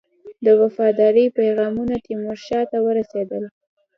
د وفاداری پیغامونه تیمورشاه ته ورسېدل.